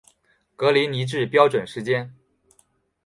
格林尼治标准时间